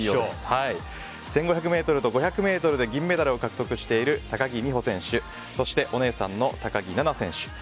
１５００ｍと５００ｍで銀メダルを獲得している高木美帆選手お姉さんの高木菜那選手